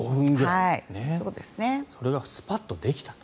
それがスパッとできたと。